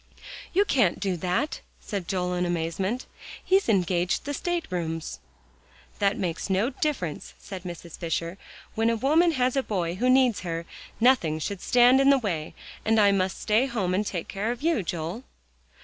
"You can't do that," said Joel in amazement. "He's engaged the state rooms." "That makes no difference," said Mrs. Fisher, "when a woman has a boy who needs her, nothing should stand in the way. And I must stay at home and take care of you, Joel."